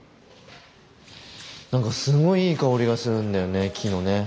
何かすごいいい香りがするんだよね木のね。